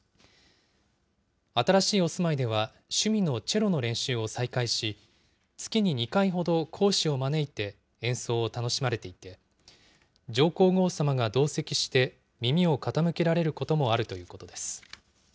新しいお住まいでは、趣味のチェロの練習を再開し、月に２回ほど、講師を招いて演奏を楽しまれていて、上皇后さまが同席して耳を傾けられることもあるということです。